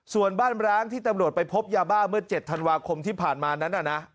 ส่วนบ้านร้างที่ตำรวจไปพบยาบ้าเมื่อ๗ธันวาคมที่ผ่านมานั้นน่ะนะ